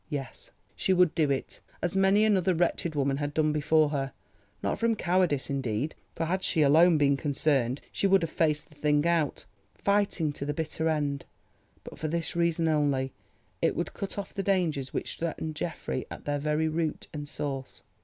Yes, she would do it, as many another wretched woman had done before her, not from cowardice indeed, for had she alone been concerned she would have faced the thing out, fighting to the bitter end—but for this reason only, it would cut off the dangers which threatened Geoffrey at their very root and source.